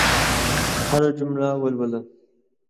هره جمله ولوله.